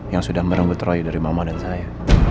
yang sudah merenggut roy dari mama dan saya